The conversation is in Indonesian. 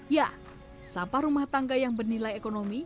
ya sampah rumah tangga yang bernilai ekonomi